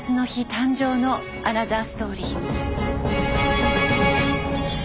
誕生のアナザーストーリー。